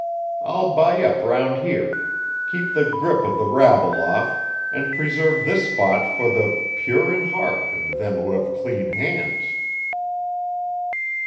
I'll buy up round here, keep the grip of the rabble off, and preserve this spot for the pure in heart and them who have clean, hands!"